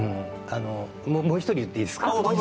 もう１人言っていいですか。